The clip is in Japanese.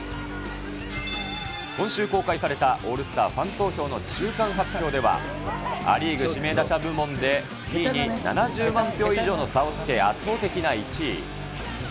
今週公開されたオールスターファン投票の中間発表では、ア・リーグ指名打者部門で２位に７０万票以上の差をつけ、圧倒的な１位。